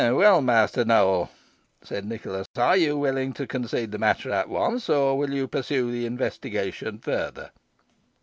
"Well, Master Nowell," said Nicholas, "are you willing to concede the matter at once, or will you pursue the investigation further?"